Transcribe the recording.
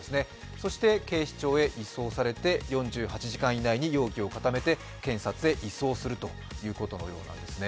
そして警視庁へ移送されて４８時間以内に容疑を固めて、検察へ移送するということのようです。